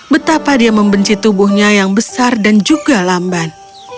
betapa dia membenci tubuhnya yang besar dan juga lamban